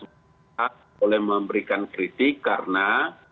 boleh memberikan kritik karena